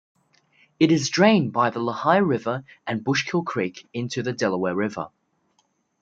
It is drained by the Lehigh River and Bushkill Creek into the Delaware River.